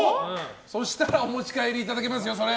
そうしたらお持ち帰りいただけますよ。